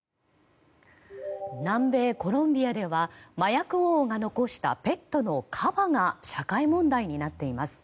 南米コロンビアでは麻薬王が残したペットのカバが社会問題になっています。